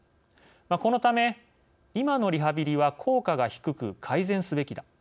このため今のリハビリは効果が低く改善すべきだ。